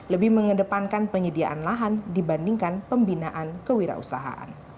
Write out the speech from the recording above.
lebih mengedepankan penyediaan lahan dibandingkan pembinaan kewirausahaan